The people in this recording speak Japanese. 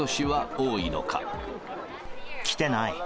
来てない。